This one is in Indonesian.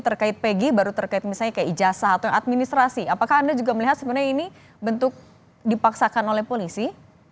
terkait pg baru terkait misalnya kayak ijazah atau administrasi apakah anda juga melihat sebenarnya ini bentuk dipaksakan oleh polisi